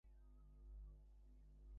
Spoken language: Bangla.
ওহ, টেস।